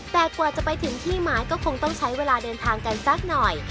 แต่กว่าจะไปถึงที่หมายก็คงต้องใช้เวลาเดินทางกันสักหน่อย